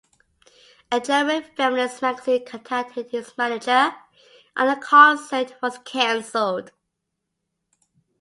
A German feminist magazine contacted his manager, and the concert was cancelled.